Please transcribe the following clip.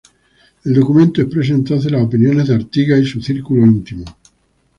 El documento expresa entonces las opiniones de Artigas y su círculo íntimo.